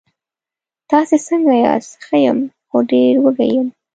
تاسې څنګه یاست؟ ښه یم، خو ډېر وږی یم.